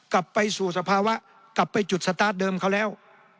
กลับไปสู่สภาวะกลับไปจุดสตาร์ทเดิมเขาแล้ว